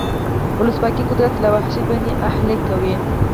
ولسواکي قدرت له وحشي بڼې اهلي کوي.